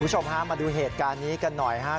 คุณผู้ชมฮะมาดูเหตุการณ์นี้กันหน่อยครับ